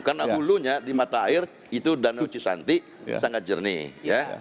karena hulunya di mata air itu danau cisanti sangat jernih